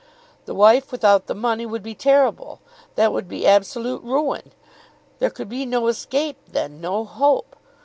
The wife without the money would be terrible! That would be absolute ruin! There could be no escape then; no hope.